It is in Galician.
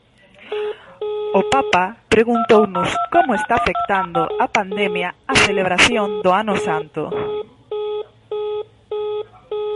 O Papa preguntounos como está afectando a pandemia á celebración do Ano Santo.